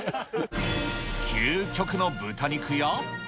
究極の豚肉や。